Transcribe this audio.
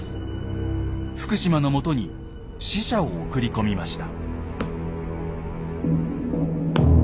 福島のもとに使者を送り込みました。